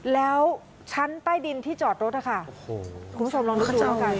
แล้วชั้นใต้ดินที่จอดรถค่ะคะโอ้โหคุณผู้ชมรองดูดูละกัน